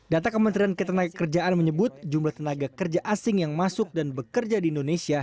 data kementerian ketenagakerjaan menyebut jumlah tenaga kerja asing yang masuk dan bekerja di indonesia